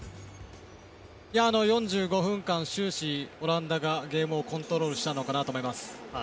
４５分間、終始オランダがゲームをコントロールしたのかなと思います。